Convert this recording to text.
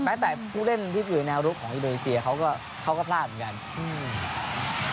แม้แต่ผู้เล่นที่อยู่ในแนวรูปของอิโรนีเซียเขาก็พลาดเหมือนกัน